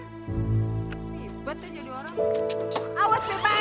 hebat ya jadi orang